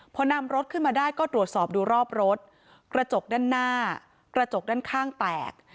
พอนำรถขึ้นมาได้ก็ตรวจสอบดูรอบรถกระจกด้านหน้ากระจกด้านข้างแตก